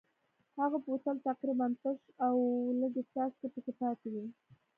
هغه بوتل تقریبا تش و او لږې څاڅکې پکې پاتې وې.